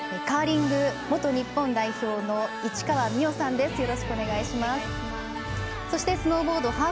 カーリング元日本代表の市川美余さんです。